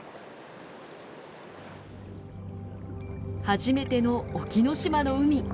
初めての沖ノ島の海。